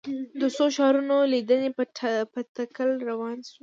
د څو ښارونو لیدنې په تکل روان شوو.